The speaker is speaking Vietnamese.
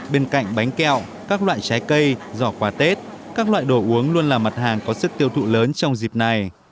bên cạnh bánh kẹo các loại trái cây giỏ quà tết các loại đồ uống luôn là mặt hàng có sức tiêu thụ lớn trong dịp này